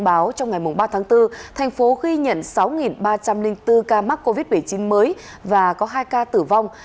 báo trong ngày ba tháng bốn thành phố ghi nhận sáu ba trăm linh bốn ca mắc covid một mươi chín mới và có hai ca tử vong